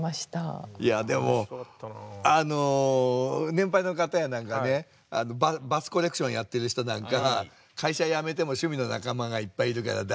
いやでもあの年配の方やなんかがねバスコレクションやってる人なんか「会社辞めても趣味の仲間がいっぱいいるから大丈夫」ってね